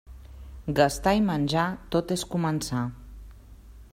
Gastar i menjar, tot és començar.